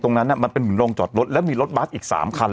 ตรงนั้นเนี้ยมันเป็นหุ่นโรงจอดรถแล้วมีรถบ๊าซอีกสามคัน